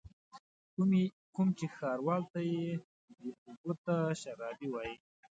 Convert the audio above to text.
کوم چې ښاروال ته بې ثبوته شرابي وايي.